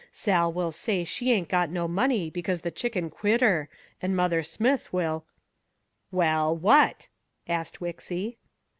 Sal will say she ain't got no money because the Chicken quit her, and Mother Smith will " "Well, what?" asked Wixy.